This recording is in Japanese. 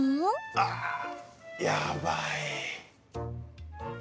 あ、やばい。